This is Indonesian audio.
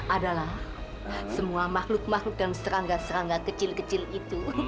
adalah semua makhluk makhluk dan serangga serangga kecil kecil itu